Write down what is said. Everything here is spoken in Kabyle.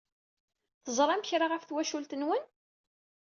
Teẓṛamt kra ɣef twacult-nwen?